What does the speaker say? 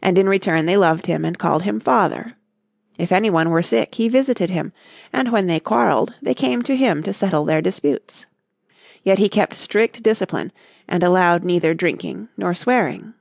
And in return they loved him and called him father. If any one were sick he visited him, and when they quarreled they came to him to settle their disputes. Yet he kept strict discipline and allowed neither drinking nor swearing.